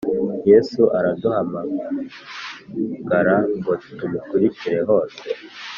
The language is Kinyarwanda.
Yesu araduhamazgara ngo tumukurikire hose